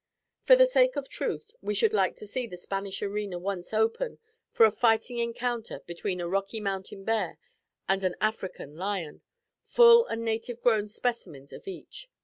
For the sake of truth, we should like to see the Spanish arena once open for a fighting encounter between a Rocky Mountain bear and an African lion, full and native grown specimens of each.